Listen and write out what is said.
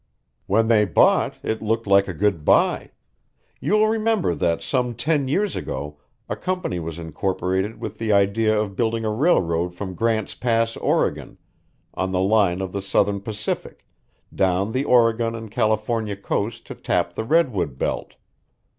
"When they bought, it looked like a good buy. You will remember that some ten years ago a company was incorporated with the idea of building a railroad from Grant's Pass, Oregon, on the line of the Southern Pacific, down the Oregon and California coast to tap the redwood belt."